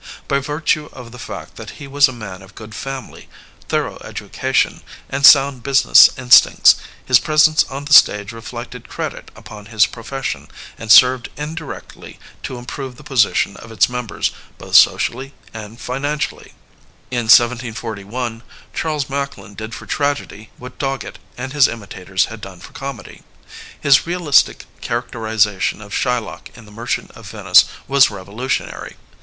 By virtue of the fact that he was a man of good family, thor ough education and sound business instincts, his presence on the stage reflected credit upon his pro fession and served indirectly to improve the position of its members both socially and financially. In 1741 Gharles Macklin did for tragedy what Dogget and his imitators had done for comedy. His realistic characterization of Shylock in the Merchant of Venice was revolutionary.